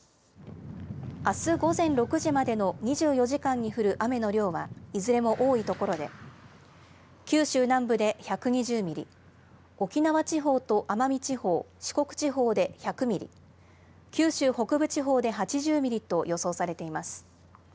あす午前６時までの２４時間に降る雨の量は、いずれも多い所で、九州南部で１２０ミリ、沖縄地方と奄美地方、四国地方で１００ミリ、九州北部地方で８０ミリと予想されています。